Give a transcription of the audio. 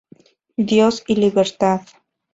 Dios y libertad.